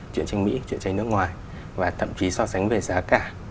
truyền tranh mỹ truyền tranh nước ngoài và thậm chí so sánh về giá cả